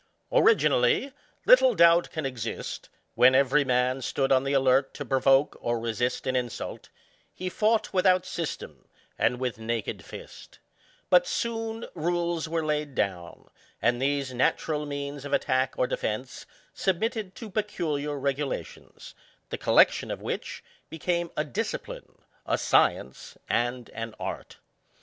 Originally, little doubt can exist, when every man stood on the alert to provoke or resist an insult, he fought without system, and with naked fist ; but soon rules were laid down, and ' these natural means of attack or defence submitted to peculiar regulations, the collection of which became a discipline, a science, and an art.